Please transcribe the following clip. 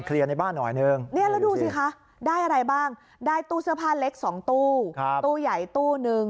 เคลียร์ในบ้านหน่อยนึงแล้วดูสิคะได้อะไรบ้างได้ตู้เสื้อผ้าเล็ก๒ตู้ตู้ใหญ่๑ตู้